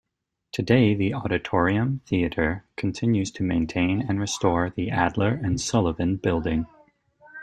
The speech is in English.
Today, the Auditorium Theatre continues to maintain and restore the Adler and Sullivan building.